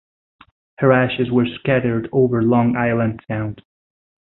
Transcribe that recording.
Her ashes were scattered over Long Island Sound.